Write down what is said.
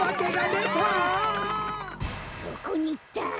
どこにいった！？